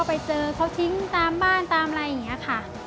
ไปเจอเขาทิ้งตามบ้านตามอะไรอย่างนี้ค่ะ